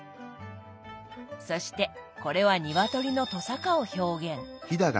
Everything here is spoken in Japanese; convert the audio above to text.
そしてこれは鶏のとさかを表現。